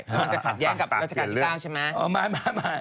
มันจะขัดแย้งกับราชการที่๙ใช่ไหม